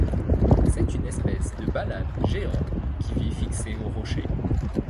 C'est une espèce de balane géant qui vit fixé aux rochers.